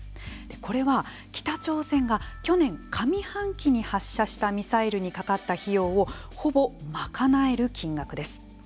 これは、北朝鮮が去年上半期に発射したミサイルにかかった費用を、ほぼまかなえる金額です。